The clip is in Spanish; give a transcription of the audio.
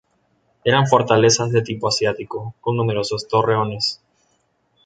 Eran fortalezas de tipo asiático, con numerosos torreones.